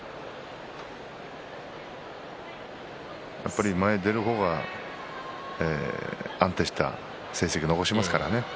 やっぱり前に出る方が安定した成績を残しますからね。